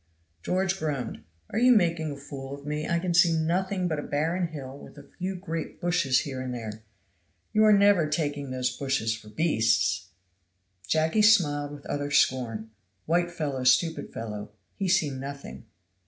George groaned, "Are you making a fool of me? I can see nothing but a barren hill with a few great bushes here and there. You are never taking those bushes for beasts?" Jacky smiled with utter scorn. "White fellow stupid fellow; he see nothing."